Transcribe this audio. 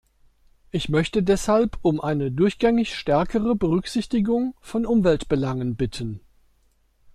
Ich möchte deshalb um eine durchgängig stärkere Berücksichtigung von Umweltbelangen bitten.